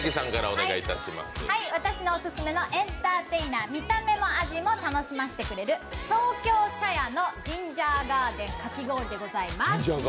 私のオススメのエンターテイナー見た目も味も楽しませてくれる東京茶屋のじんじゃーがーでんかき氷です。